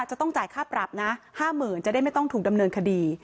จะต้องจ่ายค่าปรับนะ๕๐๐๐จะได้ไม่ต้องถูกดำเนินคดี